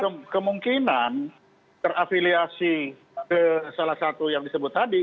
kemungkinan terafiliasi ke salah satu yang disebut tadi